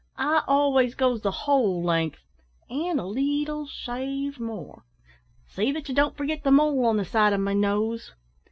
I always goes the whole length, an' a leetle shave more. See that ye don't forget the mole on the side o' my nose.